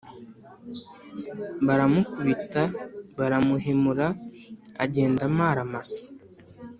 baramukubita baramuhemura agenda amara masa